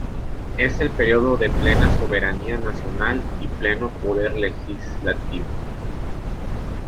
Es el periodo de plena soberanía nacional y pleno poder legislativo.